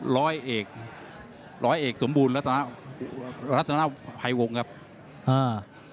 ร้อยเอกร้อยเอกสมบูรณรัฐนาภัยวงครับอ่า